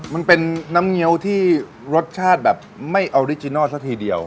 มันเป็นน้ำเงี้ยวที่รสชาติแบบไม่ออริจินัลซะทีเดียว